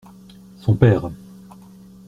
Son père.